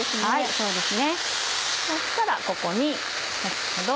そうですね